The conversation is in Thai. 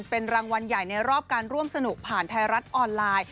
เป็นรางวัลใหญ่ในรอบการร่วมสนุกผ่านไทยรัฐออนไลน์